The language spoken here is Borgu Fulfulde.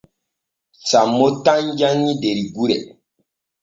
Sammo tan janŋi der gure.